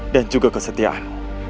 dan juga kesetiaan